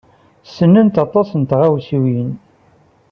Ssnent aṭas n tɣaswiwin.